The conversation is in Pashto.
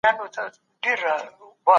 مظلومانو ته خپل حق په خپل وخت ورکول کېږي.